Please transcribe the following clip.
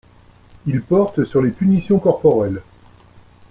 Il porte sur les punitions corporelles.